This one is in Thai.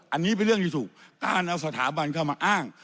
อันนี้เป็นเรื่องที่ถูกการเอาสถาบันเข้ามาอ้าง